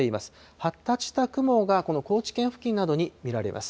発達した雲がこの高知県付近などに見られます。